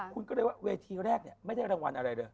คุณก็เลยว่าเวทีแรกไม่ได้รางวัลอะไรเลย